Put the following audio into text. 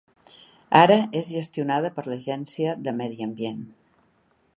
Ara és gestionada per l'Agència de Medi Ambient.